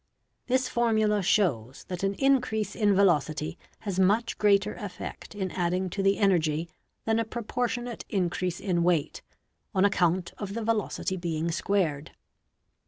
This formula shows that an increase in velocity has much greater effect in adding to the energy than a proportionate increase in weight, on account of the velocity being squared.